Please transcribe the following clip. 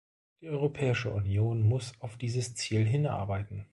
Die Europäische Union muss auf dieses Ziel hinarbeiten.